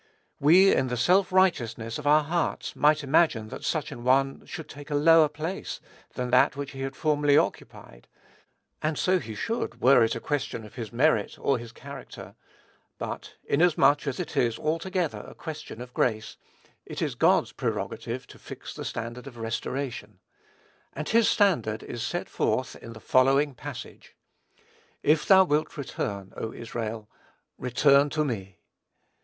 We, in the self righteousness of our hearts, might imagine that such an one should take a lower place than that which he had formerly occupied; and so he should, were it a question of his merit or his character; but, inasmuch as it is, altogether, a question of grace, it is God's prerogative to fix the standard of restoration; and his standard is set forth in the following passage: "If thou wilt return, O Israel, return to me."